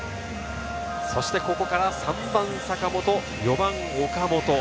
ここから３番・坂本、４番・岡本。